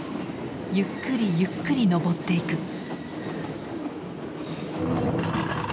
ゆっくりゆっくり登っていく。